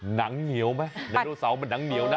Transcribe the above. หนังเหนียวไหมไดโนเสาร์มันหนังเหนียวนะ